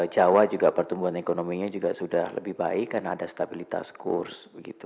jawa juga pertumbuhan ekonominya juga sudah lebih baik karena ada stabilitas kurs begitu